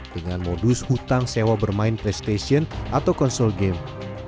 dengan modus hutang sewa bermain playstation atau konsol game